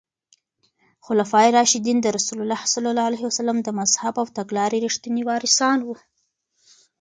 خلفای راشدین د رسول الله ص د مذهب او تګلارې رښتیني وارثان وو.